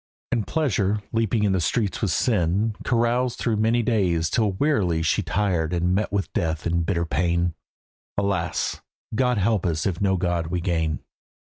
And pleasure, leaping in the streets with sin, Caroused through many days till wearily She tired and met with death in bitter pain. "Alas! God help us if no God we gain."